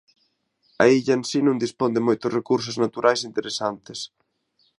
A illa en si non dispón de moitos recursos naturais interesantes.